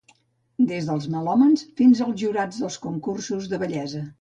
Des dels melòmans fins als jurats dels concursos de bellesa.